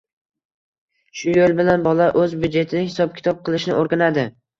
Shu yo‘l bilan bola o‘z byudjetini hisob-kitob qilishni o‘rganadi.